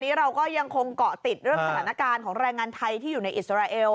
เราก็ยังคงเกาะติดเรื่องสถานการณ์ของแรงงานไทยที่อยู่ในอิสราเอล